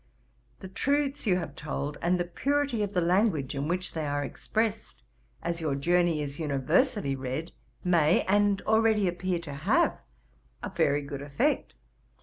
The truths you have told, and the purity of the language in which they are expressed, as your Journey is universally read, may, and already appear to have a very good effect.